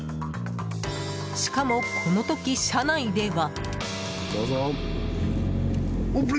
しかも、この時車内では。